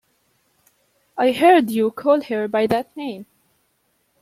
I heard you call her by that name.